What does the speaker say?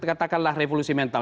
katakanlah revolusi mental